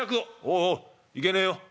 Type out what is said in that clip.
「おうおういけねえよ。